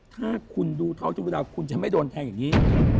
ถ้าคุณดูทอล์กทะลุดาวคุณจะไม่โดนแทงอย่างนี้